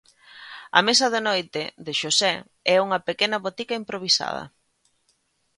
A mesa de noite de Xosé é unha pequena botica improvisada.